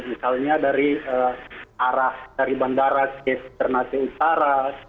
misalnya dari arah dari bandara ke ternate utara